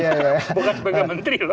bukan sebagai menteri loh